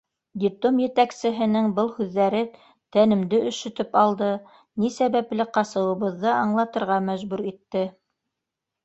Детдом етәксеһенең был һүҙҙәре тәнемде өшөтөп алды, ни сәбәпле ҡасыуыбыҙҙы аңлатырға мәжбүр итте.